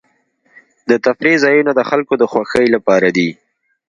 د تفریح ځایونه د خلکو د خوښۍ لپاره دي.